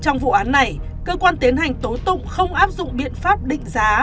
trong vụ án này cơ quan tiến hành tố tụng không áp dụng biện pháp định giá